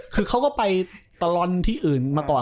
คือเขาก็ไปตลอดที่อื่นมาก่อน